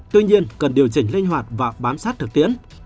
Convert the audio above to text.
tuy nhiên cần điều chỉnh linh hoạt và bám sát thực tiễn